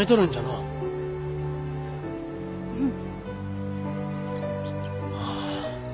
うん。